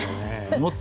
もっと？